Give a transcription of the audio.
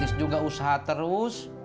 tis juga usaha terus